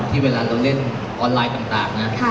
เวลาเราเล่นออนไลน์ต่างนะ